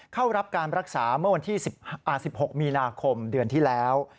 เข้ารับการรักษาเมื่อวันที่๑๖มีนาคมเดือนที่แล้ว